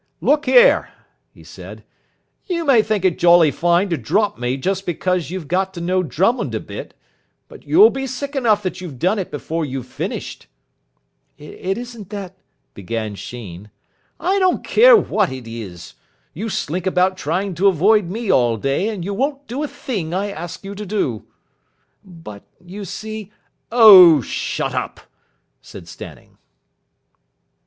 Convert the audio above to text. "Look here," he said, "you may think it jolly fine to drop me just because you've got to know Drummond a bit, but you'll be sick enough that you've done it before you've finished." "It isn't that " began Sheen. "I don't care what it is. You slink about trying to avoid me all day, and you won't do a thing I ask you to do." "But you see " "Oh, shut up," said Stanning.